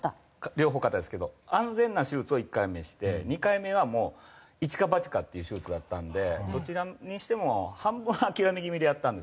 両方肩ですけど安全な手術を１回目して２回目はもう一か八かっていう手術だったのでどちらにしても半分諦め気味でやったんですけど。